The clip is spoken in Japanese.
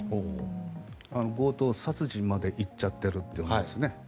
強盗殺人まで行っちゃっているというんですね。